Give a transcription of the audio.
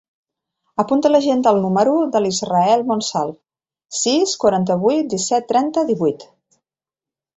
Apunta a l'agenda el número de l'Israel Monsalve: sis, quaranta-vuit, disset, trenta, divuit.